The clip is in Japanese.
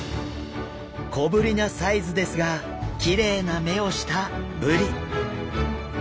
小ぶりなサイズですがきれいな目をしたブリ。